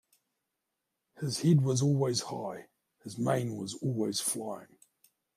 His head was always high, his mane was always flying.